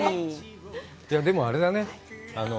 でもあれだね。